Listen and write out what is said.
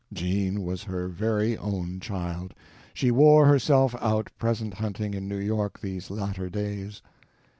Jean was her very own child—she wore herself out present hunting in New York these latter days.